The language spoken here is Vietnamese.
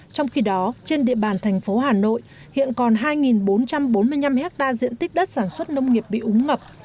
trong khi đó trên địa bàn thành phố hà nội hiện còn hai bốn trăm bốn mươi năm hectare diện tích đất sản xuất nông nghiệp bị úng ngập